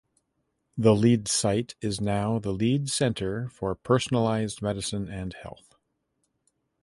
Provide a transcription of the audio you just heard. The Leeds site is now the Leeds Centre for Personalised Medicine and Health.